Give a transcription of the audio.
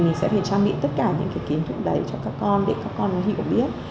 mình sẽ phải trang bị tất cả những kiến thức đấy cho các con để các con hiểu biết